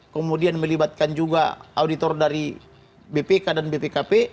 kemudian melibatkan juga auditor dari bpk dan bpkp